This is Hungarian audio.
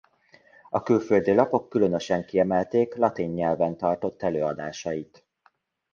A külföldi lapok különösen kiemelték latin nyelven tartott előadásait.